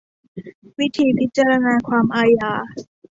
วิธีพิจารณาความอาญา